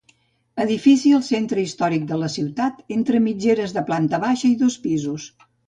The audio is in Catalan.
Edifici al centre històric de la ciutat, entre mitgeres de planta baixa i dos pisos.